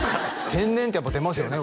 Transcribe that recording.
天然ってやっぱ出ますよね